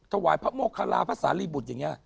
ถวายพระโมคลาพระสารีบุตรอย่างนี้